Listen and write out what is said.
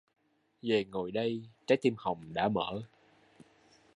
Về ngồi đây, trái tim hồng đã mở